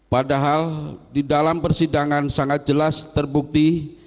padahal di dalam persidangan sangat jelas terbukti